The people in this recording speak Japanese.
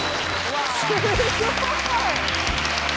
すごい。